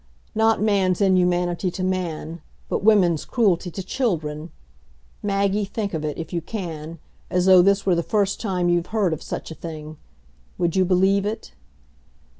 Not man's inhumanity to man, but women's cruelty to children! Maggie, think of it, if you can, as though this were the first time you'd heard of such a thing! Would you believe it?